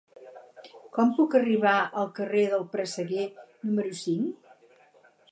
Com puc arribar al carrer del Presseguer número cinc?